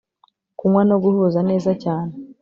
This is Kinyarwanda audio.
kunywa no guhuza neza cyane